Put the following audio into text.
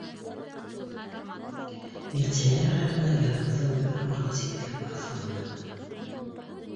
Милиционер ағай ғына яныбыҙҙан бер аҙымға ла ситкә баҫманы.